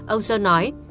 ông sơn nói